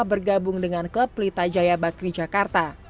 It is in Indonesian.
bergabung dengan klub pelita jaya bakri jakarta